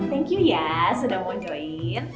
thank you ya sudah mau join